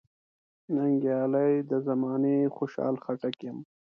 ننګیالی د زمانې خوشحال خټک یم .